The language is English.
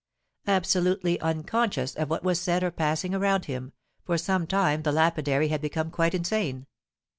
Absolutely unconscious of what was said or passing around him, for some time the lapidary had become quite insane.